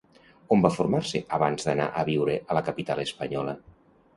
On va formar-se abans d'anar a viure a la capital espanyola?